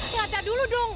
ngajak dulu dong